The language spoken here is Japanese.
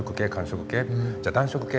じゃ暖色系。